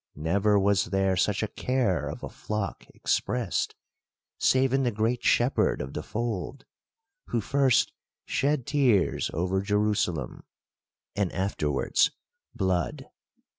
Never was (here such a care of a flock expressed, save in the great Shepherd of the fold, who first shed tears over Jerusa lem, and afterwards blood.